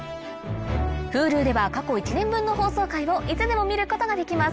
Ｈｕｌｕでは過去１年分の放送回をいつでも見ることができます